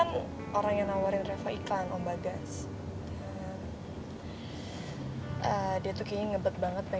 non kok ada telepon yang gak dianget sih